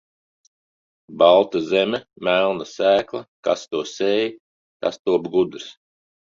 Balta zeme, melna sēkla, kas to sēj, tas top gudrs.